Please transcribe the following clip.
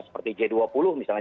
seperti g dua puluh misalnya